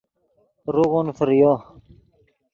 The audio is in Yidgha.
روغون فریو